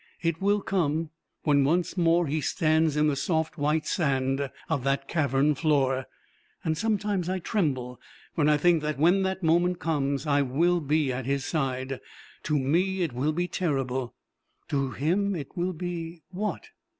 It will come when once more he stands in the soft white sand of that cavern floor, and sometimes I tremble when I think that when that moment comes I will be at his side. To me it will be terrible. To him it will be what?